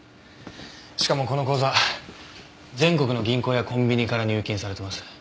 しかもこの口座全国の銀行やコンビニから入金されてます。